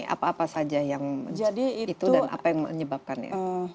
apa apa saja yang itu dan apa yang menyebabkannya